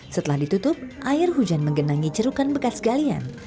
setelah ditutup air hujan menggenangi cerukan bekas galian